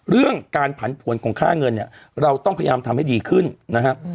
เรื่องการผันผวนของค่าเงินเนี่ยเราต้องพยายามทำให้ดีขึ้นนะฮะ